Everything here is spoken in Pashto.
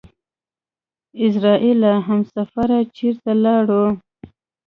اعزرائيله همسفره چېرته لاړو؟!